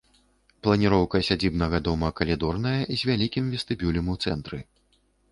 Планіроўка сядзібнага дома калідорная, з вялікім вестыбюлем у цэнтры.